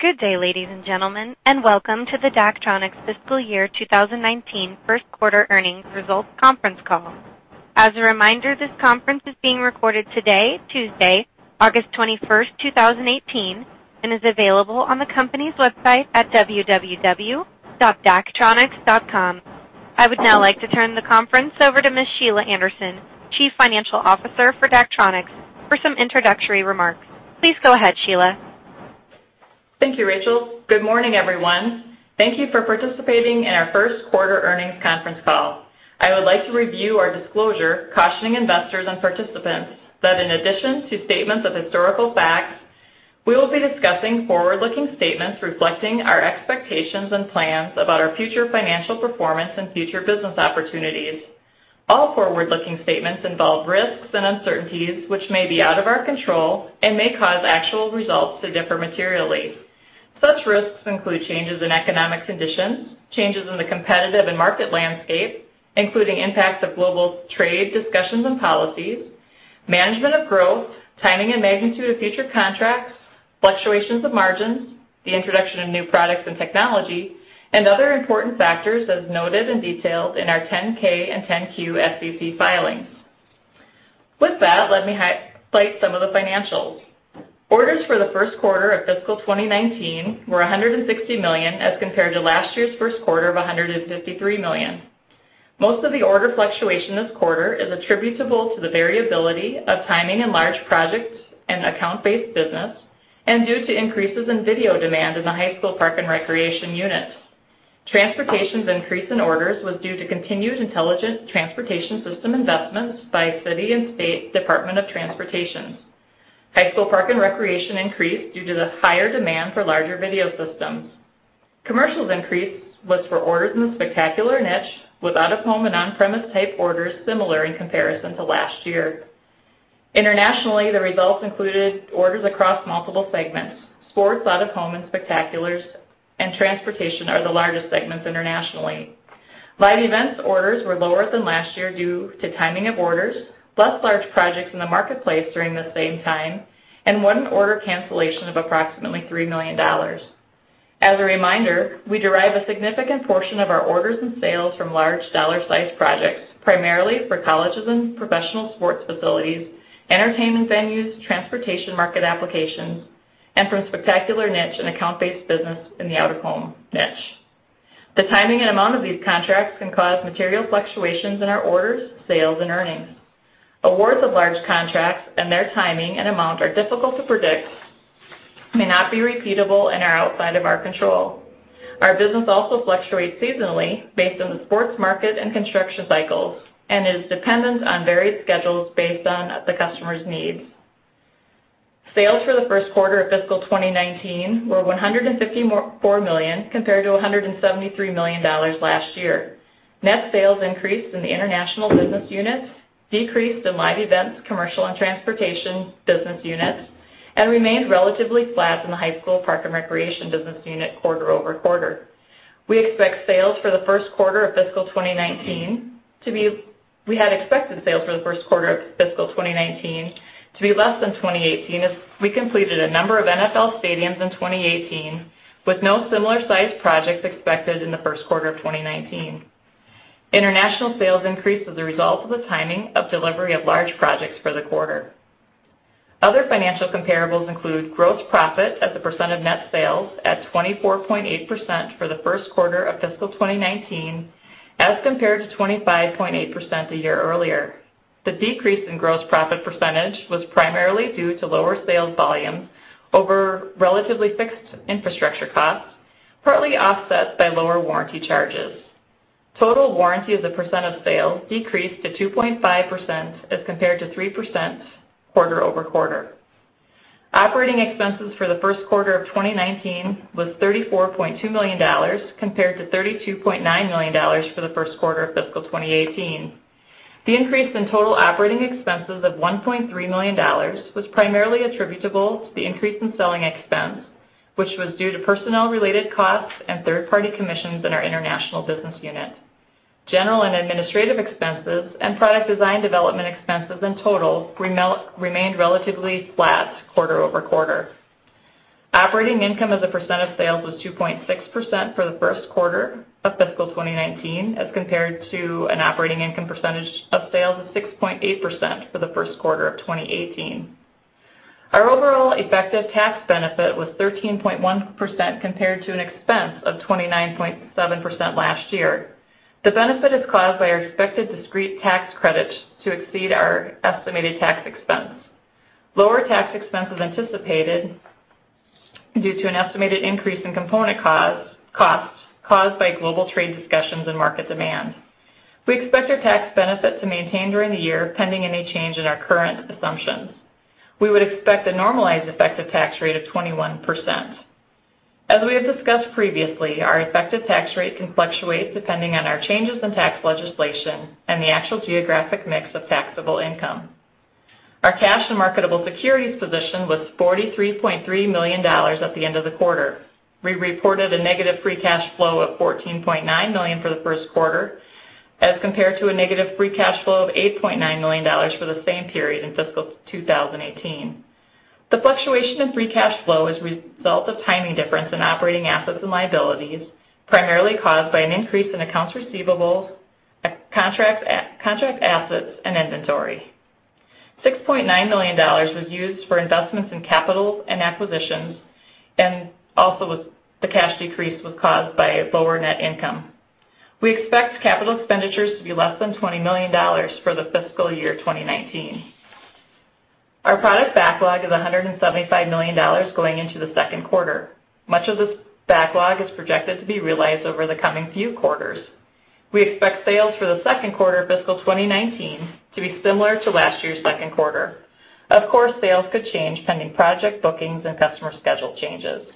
Good day, ladies and gentlemen. Welcome to the Daktronics Fiscal Year 2019 first quarter earnings results conference call. As a reminder, this conference is being recorded today, Tuesday, August 21, 2018, and is available on the company's website at www.daktronics.com. I would now like to turn the conference over to Ms. Sheila Anderson, Chief Financial Officer for Daktronics, for some introductory remarks. Please go ahead, Sheila. Thank you, Rachel. Good morning, everyone. Thank you for participating in our first quarter earnings conference call. I would like to review our disclosure cautioning investors and participants that in addition to statements of historical facts, we will be discussing forward-looking statements reflecting our expectations and plans about our future financial performance and future business opportunities. All forward-looking statements involve risks and uncertainties which may be out of our control and may cause actual results to differ materially. Such risks include changes in economic conditions, changes in the competitive and market landscape, including impacts of global trade discussions and policies, management of growth, timing and magnitude of future contracts, fluctuations of margins, the introduction of new products and technology, and other important factors as noted and detailed in our 10K and 10Q SEC filings. Let me highlight some of the financials. Orders for the first quarter of fiscal 2019 were $160 million as compared to last year's first quarter of $153 million. Most of the order fluctuation this quarter is attributable to the variability of timing in large projects and account-based business, and due to increases in video demand in the high school park and recreation units. Transportation's increase in orders was due to continued intelligent transportation system investments by city and state department of transportation. High school park and recreation increased due to the higher demand for larger video systems. Commercial's increase was for orders in the spectacular niche, with out of home and on-premise type orders similar in comparison to last year. Internationally, the results included orders across multiple segments. Sports, out of home and spectaculars, and transportation are the largest segments internationally. Live events orders were lower than last year due to timing of orders, less large projects in the marketplace during the same time, and one order cancellation of approximately $3 million. As a reminder, we derive a significant portion of our orders and sales from large dollar size projects, primarily for colleges and professional sports facilities, entertainment venues, transportation market applications, and from spectacular niche and account-based business in the out of home niche. The timing and amount of these contracts can cause material fluctuations in our orders, sales, and earnings. Awards of large contracts and their timing and amount are difficult to predict, may not be repeatable, and are outside of our control. Our business also fluctuates seasonally based on the sports market and construction cycles and is dependent on various schedules based on the customer's needs. Sales for the first quarter of fiscal 2019 were $154 million compared to $173 million last year. Net sales increased in the international business units, decreased in live events, commercial, and transportation business units, and remained relatively flat in the high school park and recreation business unit quarter-over-quarter. We had expected sales for the first quarter of fiscal 2019 to be less than 2018, as we completed a number of NFL stadiums in 2018 with no similar size projects expected in the first quarter of 2019. International sales increased as a result of the timing of delivery of large projects for the quarter. Other financial comparables include gross profit as a percent of net sales at 24.8% for the first quarter of fiscal 2019, as compared to 25.8% a year earlier. The decrease in gross profit percentage was primarily due to lower sales volumes over relatively fixed infrastructure costs, partly offset by lower warranty charges. Total warranty as a percent of sales decreased to 2.5% as compared to 3% quarter-over-quarter. Operating expenses for the first quarter of 2019 was $34.2 million, compared to $32.9 million for the first quarter of fiscal 2018. The increase in total operating expenses of $1.3 million was primarily attributable to the increase in selling expense, which was due to personnel-related costs and third-party commissions in our international business unit. General and administrative expenses and product design development expenses in total remained relatively flat quarter-over-quarter. Operating income as a percent of sales was 2.6% for the first quarter of fiscal 2019, as compared to an operating income percentage of sales of 6.8% for the first quarter of 2018. Our overall effective tax benefit was 13.1%, compared to an expense of 29.7% last year. The benefit is caused by our expected discrete tax credit to exceed our estimated tax expense. Lower tax expense was anticipated due to an estimated increase in component costs caused by global trade discussions and market demand. We expect our tax benefit to maintain during the year, pending any change in our current assumptions. We would expect a normalized effective tax rate of 21%. As we have discussed previously, our effective tax rate can fluctuate depending on our changes in tax legislation and the actual geographic mix of taxable income. Our cash and marketable securities position was $43.3 million at the end of the quarter. We reported a negative free cash flow of $14.9 million for the first quarter. As compared to a negative free cash flow of $8.9 million for the same period in fiscal 2018. The fluctuation in free cash flow is a result of timing difference in operating assets and liabilities, primarily caused by an increase in accounts receivables, contract assets and inventory. $6.9 million was used for investments in capital and acquisitions, and also the cash decrease was caused by lower net income. We expect capital expenditures to be less than $20 million for the fiscal year 2019. Our product backlog is $175 million going into the second quarter. Much of this backlog is projected to be realized over the coming few quarters. We expect sales for the second quarter of fiscal 2019 to be similar to last year's second quarter. Of course, sales could change pending project bookings and customer schedule changes.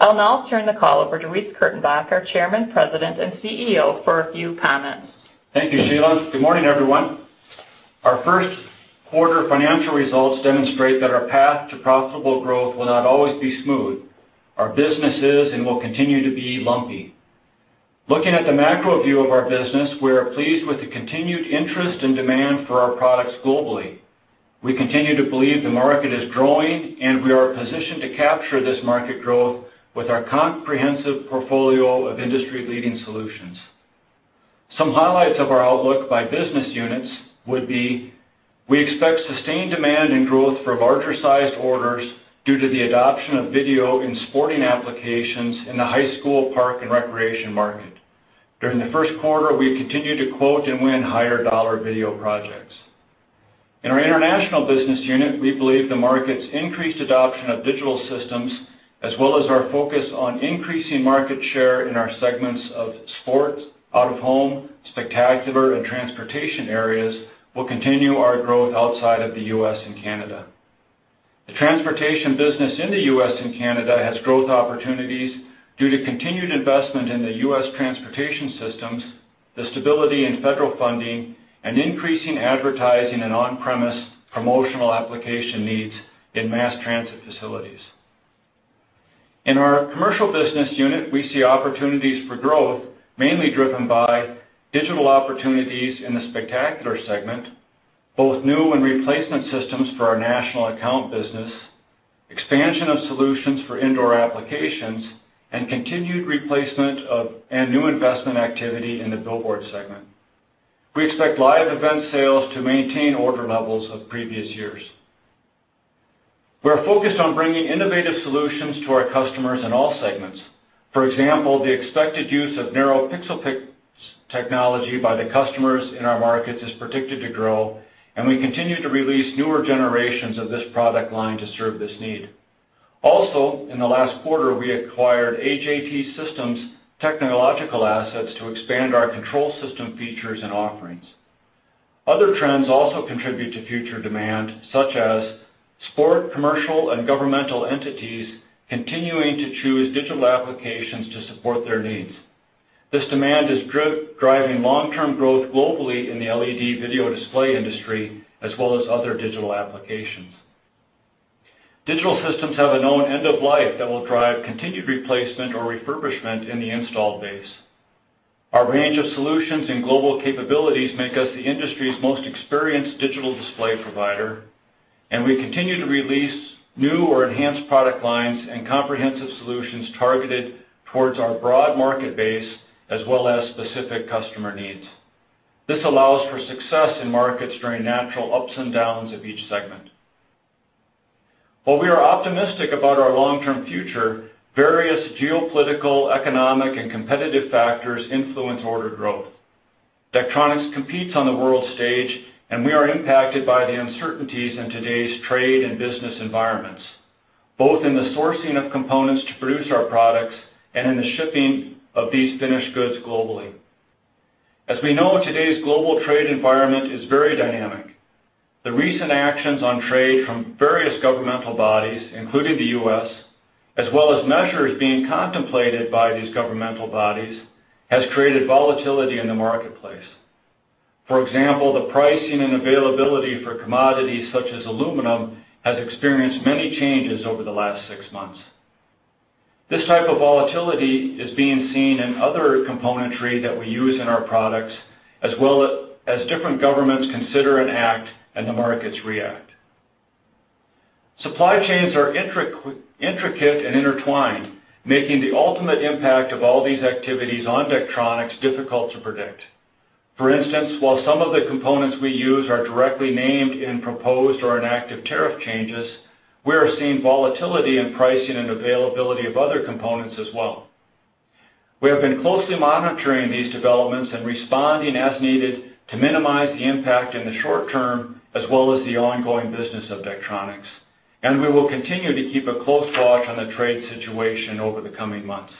I'll now turn the call over to Reece Kurtenbach, our Chairman, President, and CEO, for a few comments. Thank you, Sheila. Good morning, everyone. Our first quarter financial results demonstrate that our path to profitable growth will not always be smooth. Our business is, and will continue to be, lumpy. Looking at the macro view of our business, we are pleased with the continued interest and demand for our products globally. We continue to believe the market is growing, and we are positioned to capture this market growth with our comprehensive portfolio of industry-leading solutions. Some highlights of our outlook by business units would be, we expect sustained demand and growth for larger-sized orders due to the adoption of video in sporting applications in the high school, park, and recreation market. During the first quarter, we continued to quote and win higher-dollar video projects. In our international business unit, we believe the market's increased adoption of digital systems, as well as our focus on increasing market share in our segments of sport, out of home, spectacular, and transportation areas, will continue our growth outside of the U.S. and Canada. The transportation business in the U.S. and Canada has growth opportunities due to continued investment in the U.S. transportation systems, the stability in federal funding, and increasing advertising and on-premise promotional application needs in mass transit facilities. In our commercial business unit, we see opportunities for growth, mainly driven by digital opportunities in the spectacular segment, both new and replacement systems for our national account business, expansion of solutions for indoor applications, and continued replacement of, and new investment activity in the billboard segment. We expect live event sales to maintain order levels of previous years. We are focused on bringing innovative solutions to our customers in all segments. For example, the expected use of narrow pixel pitch technology by the customers in our markets is predicted to grow, and we continue to release newer generations of this product line to serve this need. Also, in the last quarter, we acquired AJT Systems' technological assets to expand our control system features and offerings. Other trends also contribute to future demand, such as sport, commercial, and governmental entities continuing to choose digital applications to support their needs. This demand is driving long-term growth globally in the LED video display industry, as well as other digital applications. Digital systems have a known end of life that will drive continued replacement or refurbishment in the installed base. Our range of solutions and global capabilities make us the industry's most experienced digital display provider. We continue to release new or enhanced product lines and comprehensive solutions targeted towards our broad market base as well as specific customer needs. This allows for success in markets during natural ups and downs of each segment. While we are optimistic about our long-term future, various geopolitical, economic, and competitive factors influence order growth. Daktronics competes on the world stage, and we are impacted by the uncertainties in today's trade and business environments, both in the sourcing of components to produce our products and in the shipping of these finished goods globally. As we know, today's global trade environment is very dynamic. The recent actions on trade from various governmental bodies, including the U.S., as well as measures being contemplated by these governmental bodies, has created volatility in the marketplace. For example, the pricing and availability for commodities such as aluminum has experienced many changes over the last six months. This type of volatility is being seen in other componentry that we use in our products, as different governments consider and act. The markets react. Supply chains are intricate and intertwined, making the ultimate impact of all these activities on Daktronics difficult to predict. For instance, while some of the components we use are directly named in proposed or inactive tariff changes, we are seeing volatility in pricing and availability of other components as well. We have been closely monitoring these developments and responding as needed to minimize the impact in the short term as well as the ongoing business of Daktronics. We will continue to keep a close watch on the trade situation over the coming months.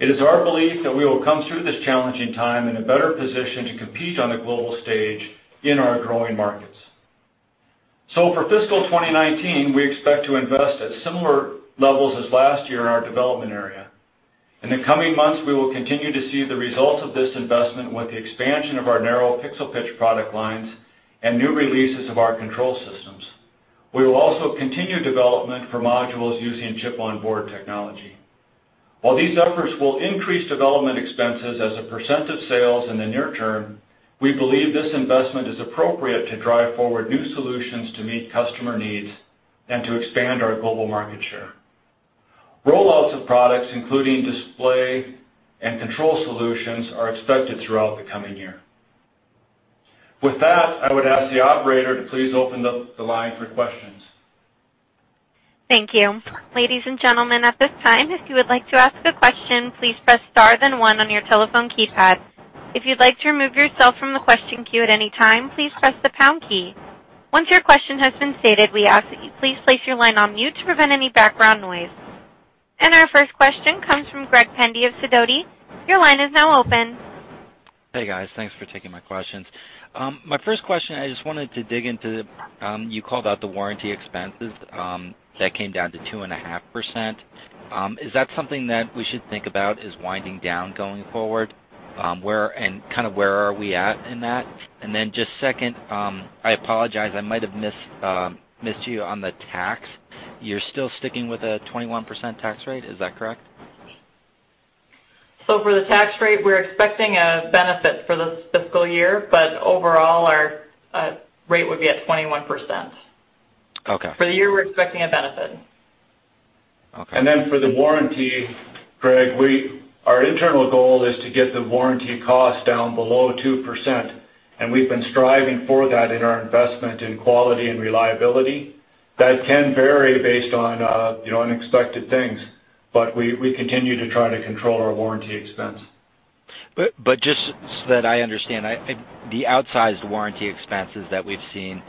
It is our belief that we will come through this challenging time in a better position to compete on the global stage in our growing markets. For fiscal 2019, we expect to invest at similar levels as last year in our development area. In the coming months, we will continue to see the results of this investment with the expansion of our narrow pixel pitch product lines and new releases of our control systems. We will also continue development for modules using chip-on-board technology. While these efforts will increase development expenses as a % of sales in the near term, we believe this investment is appropriate to drive forward new solutions to meet customer needs and to expand our global market share. Rollouts of products, including display and control solutions, are expected throughout the coming year. With that, I would ask the operator to please open up the line for questions. Thank you. Ladies and gentlemen, at this time, if you would like to ask a question, please press star then one on your telephone keypad. If you'd like to remove yourself from the question queue at any time, please press the pound key. Once your question has been stated, we ask that you please place your line on mute to prevent any background noise. Our first question comes from Greg Pendy of Sidoti. Your line is now open. Hey, guys. Thanks for taking my questions. My first question, I just wanted to dig into, you called out the warranty expenses. That came down to 2.5%. Is that something that we should think about as winding down going forward? Where are we at in that? Just second, I apologize, I might have missed you on the tax. You're still sticking with a 21% tax rate, is that correct? For the tax rate, we're expecting a benefit for this fiscal year, but overall, our rate would be at 21%. Okay. For the year, we're expecting a benefit. Okay. For the warranty, Greg, our internal goal is to get the warranty cost down below 2%, and we've been striving for that in our investment in quality and reliability. That can vary based on unexpected things, but we continue to try to control our warranty expense. Just so that I understand, the outsized warranty expenses that we've seen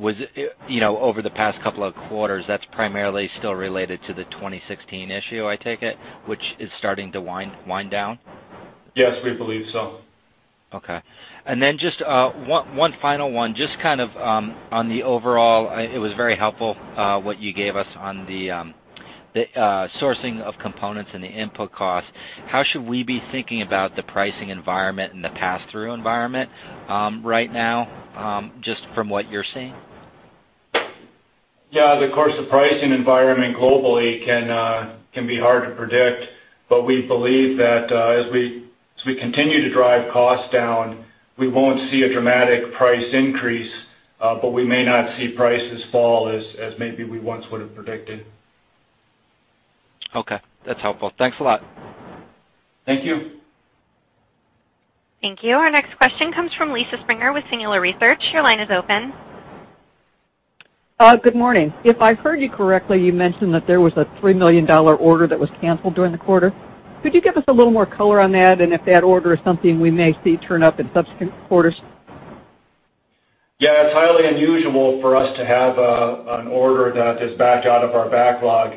over the past couple of quarters, that's primarily still related to the 2016 issue, I take it, which is starting to wind down? Yes, we believe so. Okay. Just one final one. Just on the overall, it was very helpful what you gave us on the sourcing of components and the input costs. How should we be thinking about the pricing environment and the pass-through environment right now, just from what you're seeing? Yeah, of course, the pricing environment globally can be hard to predict, but we believe that as we continue to drive costs down, we won't see a dramatic price increase, but we may not see prices fall as maybe we once would've predicted. Okay. That's helpful. Thanks a lot. Thank you. Thank you. Our next question comes from Lisa Springer with Singular Research. Your line is open. Good morning. If I heard you correctly, you mentioned that there was a $3 million order that was canceled during the quarter. Could you give us a little more color on that, and if that order is something we may see turn up in subsequent quarters? Yeah, it's highly unusual for us to have an order that is backed out of our backlog.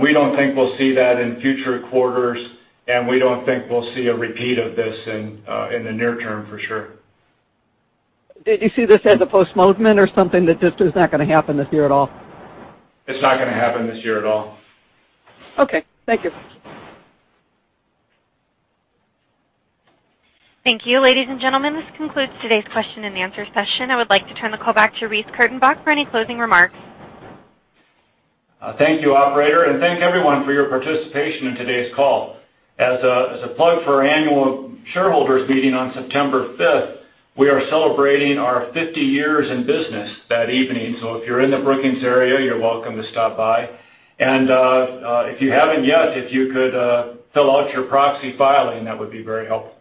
We don't think we'll see that in future quarters, and we don't think we'll see a repeat of this in the near term, for sure. Did you see this as a postponement or something that just is not going to happen this year at all? It's not going to happen this year at all. Okay. Thank you. Thank you. Ladies and gentlemen, this concludes today's question-and-answer session. I would like to turn the call back to Reece Kurtenbach for any closing remarks. Thank you, operator. Thank everyone for your participation in today's call. As a plug for our annual shareholders meeting on September 5th, we are celebrating our 50 years in business that evening. If you're in the Brookings area, you're welcome to stop by. If you haven't yet, if you could fill out your proxy filing, that would be very helpful.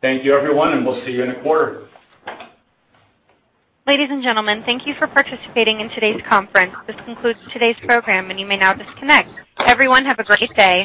Thank you, everyone, and we'll see you in a quarter. Ladies and gentlemen, thank you for participating in today's conference. This concludes today's program, and you may now disconnect. Everyone, have a great day.